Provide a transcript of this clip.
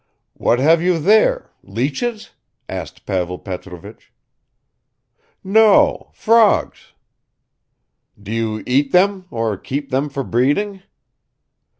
"What have you there, leeches?" asked Pavel Petrovich. "No, frogs." "Do you eat them or keep them for breeding?"